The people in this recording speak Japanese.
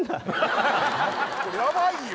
やばいよ